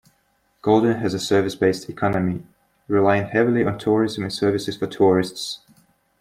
Golden has a service-based economy, relying heavily on tourism and services for tourists.